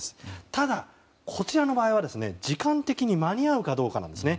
ただ、こちらの場合は時間的に間に合うかどうかなんです。